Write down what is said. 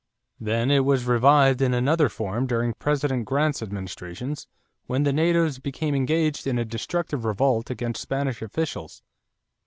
Then it was revived in another form during President Grant's administrations, when the natives became engaged in a destructive revolt against Spanish officials.